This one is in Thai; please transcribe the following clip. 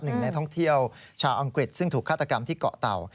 หนึ่งในท่องเที่ยวชาวอังกฤษซึ่งถูกฆาตกรรมที่เกาะเต่า